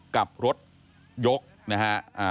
กับรถยกนะฮะ